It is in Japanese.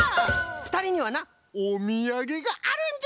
ふたりにはなおみやげがあるんじゃよ！